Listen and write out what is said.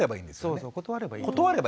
そうそう断ればいいと思います。